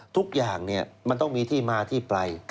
ทุกอย่างมันต้องมีที่มาที่ไป